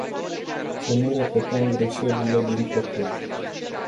Să nu repetăm greșelile din trecut!